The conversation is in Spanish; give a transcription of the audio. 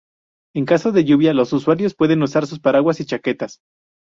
En caso de lluvia, los usuarios pueden usar sus paraguas y chaquetas.